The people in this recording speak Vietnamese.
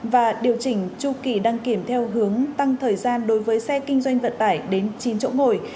và điều chỉnh chu kỳ đăng kiểm theo hướng tăng thời gian đối với xe kinh doanh vận tải đến chín chỗ ngồi